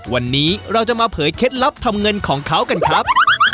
วันนี้เราจะมาเผยเคล็ดลับทำเงินของเขากันครับ